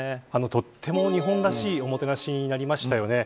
とっても日本らしいおもてなしになりましたよね。